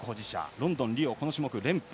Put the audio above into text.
ロンドン、リオこの種目で連覇。